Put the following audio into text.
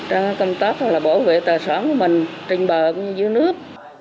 ra công tác bảo vệ tà sản của mình trên bờ cũng như dưới nước